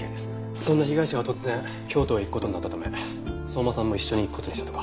そんな被害者が突然京都へ行く事になったため相馬さんも一緒に行く事にしたとか。